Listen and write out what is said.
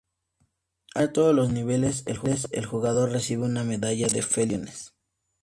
Al terminar todos los niveles el jugador recibe una medalla de felicitaciones.